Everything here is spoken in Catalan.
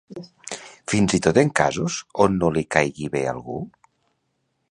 Fins i tot en casos on no li caigui bé algú?